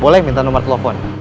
boleh minta nomer telfon